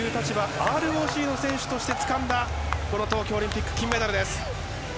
ＲＯＣの選手としてつかんだこの東京オリンピック金メダルです。